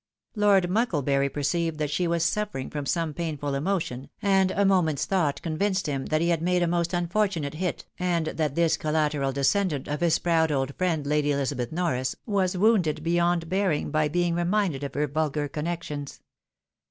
Lord Mucklebiu'y perceived that she was sufifering from some painful emotion, and a moment's thought convinced him that he had made a most unfortunate hit, and that this collateral descendant of his proud old friend, Lady Elizabeth Norris, was wounded beyond bearing by being reminded of her vulgar con nections.